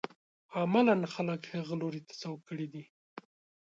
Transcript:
عملاً خلک هغه لوري ته سوق کړي دي.